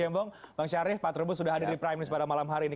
gembong bang syarif pak trubus sudah hadir di prime news pada malam hari ini